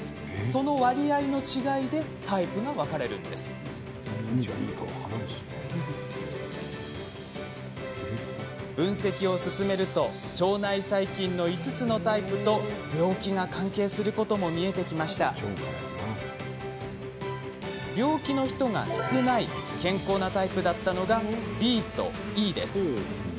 その割合の違いでタイプが分かれるんです分析を進めると腸内細菌の５つのタイプと病気が関係することも見えてきました病気の人が少ない健康なタイプだったのがＢとＥです。